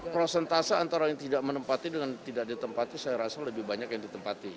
prosentase antara yang tidak menempati dengan tidak ditempati saya rasa lebih banyak yang ditempati